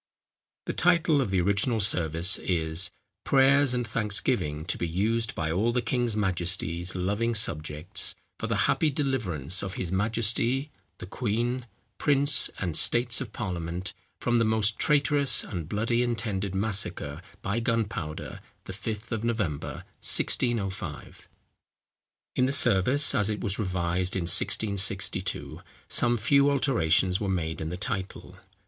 The title of the original service is, _"Prayers and Thanksgiving to be used by all the King's Majestie's loving Subjects, for the happy deliverance of his Majesty, the Queen, Prince, and States of Parliament, from the most traiterous and bloody intended massacre by gunpowder, the 5 of November, 1605."_ In the service as it was revised in 1662, some few alterations were made in the title.